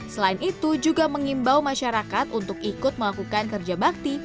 selain itu juga mengimbau masyarakat untuk ikut melakukan kerja bakti